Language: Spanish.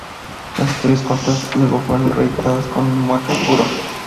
Las historias cortas luego fueron reeditadas como "Aka" y "Kuro".